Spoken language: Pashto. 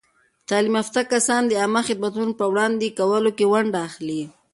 تعلیم یافته کسان د عامه خدمتونو په وړاندې کولو کې ونډه اخلي.